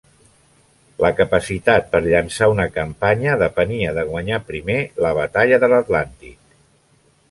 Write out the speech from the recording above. La capacitat per llançar una campanya depenia de guanyar primer la Batalla de l'Atlàntic.